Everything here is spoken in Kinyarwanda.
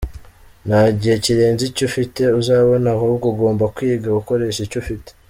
Nta gihe kirenze icyo ufite uzabona ahubwo ugomba kwiga gukoresha icyo ufite.